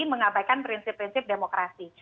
mengabaikan prinsip prinsip demokrasi